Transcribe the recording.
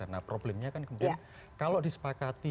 nah problemnya kan kemudian kalau disepakati